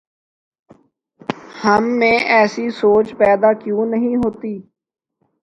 ہم میں ایسی سوچ پیدا کیوں نہیں ہوتی؟